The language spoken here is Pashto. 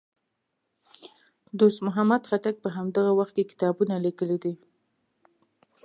دوست محمد خټک په همدغه وخت کې کتابونه لیکي دي.